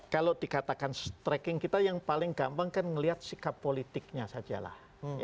kalau dikatakan stretching kita yang paling gampang kan melihat sikap politiknya sajalah